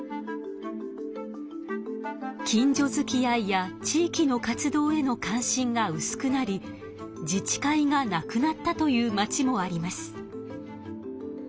近所づきあいや地域の活動への関心がうすくなり自治会がなくなったというまちもあります。